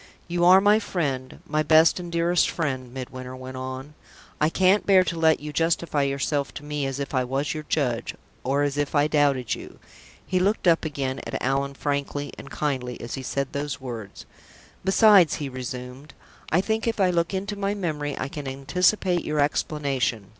"You are my friend my best and dearest friend," Midwinter went on. "I can't bear to let you justify yourself to me as if I was your judge, or as if I doubted you." He looked up again at Allan frankly and kindly as he said those words. "Besides," he resumed, "I think, if I look into my memory, I can anticipate your explanation.